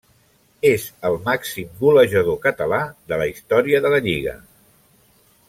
És el màxim golejador català de la història de la lliga.